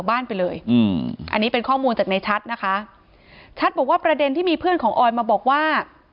บ้านไปเลยอืมอันนี้เป็นข้อมูลจากในชัดนะคะชัดบอกว่าประเด็นที่มีเพื่อนของออยมาบอกว่า